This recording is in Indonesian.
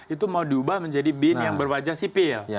itu mau diubah menjadi bin yang berwajah sipil